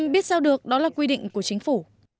biết sao được đó là quy định của chính phủ